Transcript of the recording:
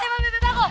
hebat bebek bebek